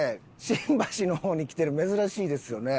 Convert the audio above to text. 新橋の方に来てる珍しいですよね。